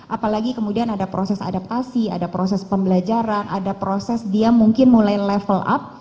apalagi kemudian ada proses adaptasi ada proses pembelajaran ada proses dia mungkin mulai level up